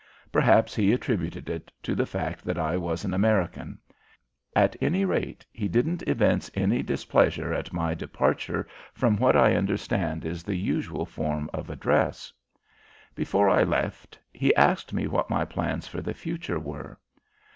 Perhaps he attributed it to the fact that I was an American. At any rate, he didn't evince any displeasure at my departure from what I understand is the usual form of address. Before I left he asked me what my plans for the future were.